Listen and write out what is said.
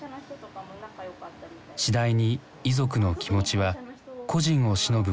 次第に遺族の気持ちは故人をしのぶ